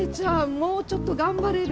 もうちょっと頑張れる？